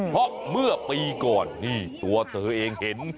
เพราะเมื่อปีก่อนนี่ตัวเธอเองเห็น